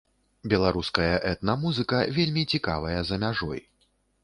Беларуская этна-музыка вельмі цікавая за мяжой.